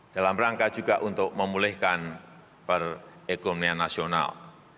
dalam rangka juga untuk memulihkan perekonomian nasional